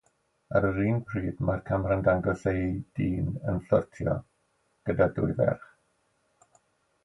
Ar yr un pryd mae'r camera'n dangos ei dyn yn fflyrtio gyda dwy ferch.